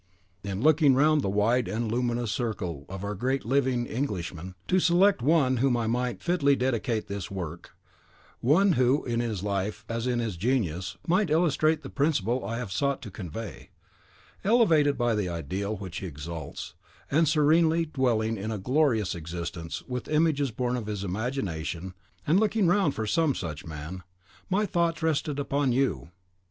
In looking round the wide and luminous circle of our great living Englishmen, to select one to whom I might fitly dedicate this work, one who, in his life as in his genius, might illustrate the principle I have sought to convey; elevated by the ideal which he exalts, and serenely dwelling in a glorious existence with the images born of his imagination, in looking round for some such man, my thoughts rested upon you.